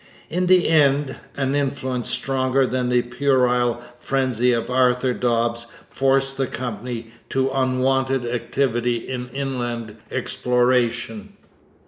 In the end, an influence stronger than the puerile frenzy of Arthur Dobbs forced the Company to unwonted activity in inland exploration.